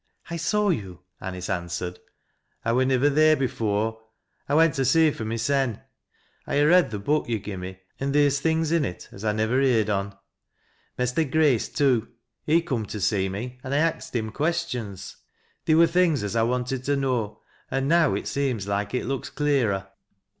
" I saw you," Anice answered. " I wur nivver theer before. I went to see fur myseii I ha' read the book yo' gi' me, an' theer's things in it aa I nivver heerd on. Mester Grace too, — he coom to see me an' I axt him questions. Theer wur things as I wanted to know, an' now it seems loike it looks clearer.